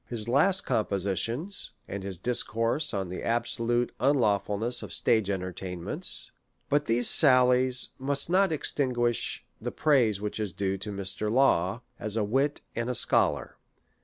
His last compositions , and his discourse on the absolute un lawfulness of stage entertainments . But these sallies must not extin2:uish the praise which is due to Mr. Wm. Law, as a wit and a scholar.